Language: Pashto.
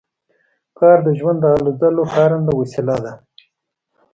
کار د ژوندانه د هلو ځلو کارنده وسیله ده.